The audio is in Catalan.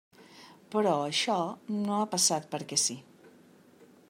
Però això no ha passat perquè sí.